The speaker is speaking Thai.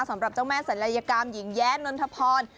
สำหรับเจ้าแม่ศัลยกรรมหญิงแย้นนทพร